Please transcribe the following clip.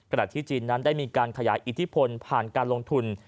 ที่จีนนั้นได้มีการขยายอิทธิพลผ่านการลงทุน